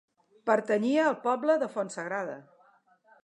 Pertanyia al poble de Fontsagrada.